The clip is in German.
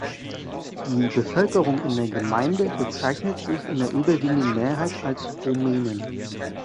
Die Bevölkerung in der Gemeinde bezeichnet sich in der überwiegenden Mehrheit als Rumänen.